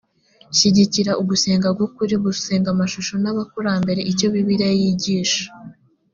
shyigikira ugusenga k ukuri gusenga amashusho n abakurambere icyo bibiliya yigisha